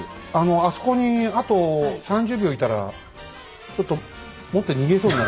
あそこにあと３０秒いたらちょっと持って逃げそうになるから。